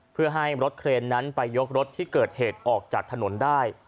เพื่อให้รถเครนนั้นไปยกรถที่เกิดเหตุออกจากถนนได้